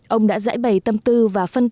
ông đã giải bày tâm tư và phân biệt